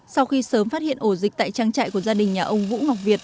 sau khi sớm phát hiện ổ dịch tại trang trại của gia đình nhà ông vũ ngọc việt